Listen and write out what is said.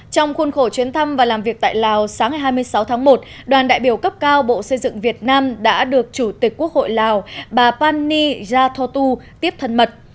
trong khuôn khổ chuyến thăm và làm việc tại lào sáng ngày hai mươi sáu tháng một đoàn đại biểu cấp cao bộ xây dựng việt nam đã được chủ tịch quốc hội lào bà pani yathotu tiếp thân mật